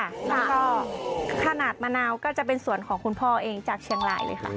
แล้วก็ขนาดมะนาวก็จะเป็นสวนของคุณพ่อเองจากเชียงรายเลยค่ะ